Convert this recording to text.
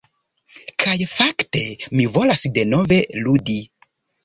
Kaj fakte, mi volas denove ludi!